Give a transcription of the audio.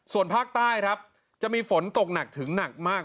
ส่วนภาคใต้ครับจะมีฝนตกหนักถึงหนักมาก